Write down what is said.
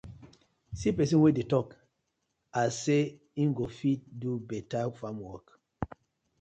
See pesin wey dey tok as say im go fit do betta farm wok.